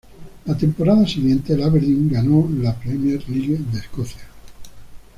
La temporada siguiente el Aberdeen ganó la Premier League de Escocia.